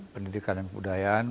pendidikan dan kebudayaan